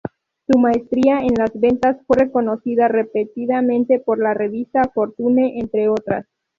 Su maestría en las ventas fue reconocida repetidamente por la revista Fortune entre otras.